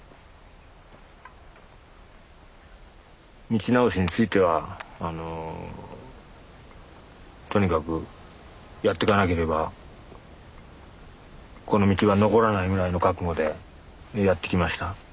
道直しについてはとにかくやってかなければこの道は残らないぐらいの覚悟でやってきました。